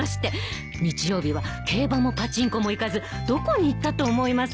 日曜日は競馬もパチンコも行かずどこに行ったと思います？